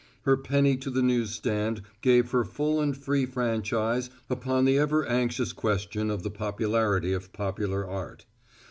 Her penny to the news stand gave her full and free franchise upon the ever anxious question of the popularity of popular art.